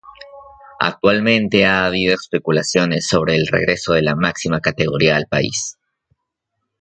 Actualmente ha habido especulaciones sobre el regreso de la máxima categoría al país.